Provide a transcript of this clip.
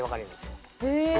へえ！